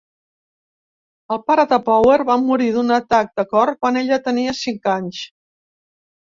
El pare de Power va morir d'un atac de cor quan ella tenia cinc anys.